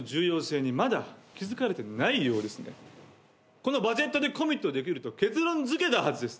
このバジェットでコミットできると結論づけたはずです。